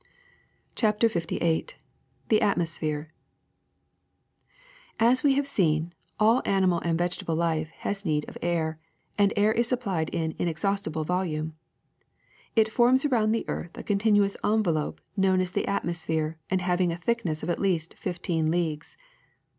'' a A CHAPTER LVIII THE ATMOSPHERE S we have seen, all animal and vegetable life lias need of air, and air is supplied in inex haustible volume. It forms around the earth a con tinuous envelop known as the atmosphere and having a thickness of at least fifteen leagues.